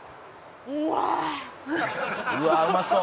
「うわうまそう！」